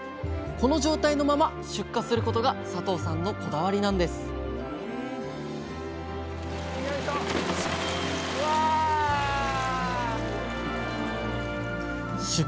この状態のまま出荷することが佐藤さんのこだわりなんですよいしょ。